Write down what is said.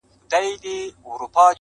باغ او باغچه به ستا وي!!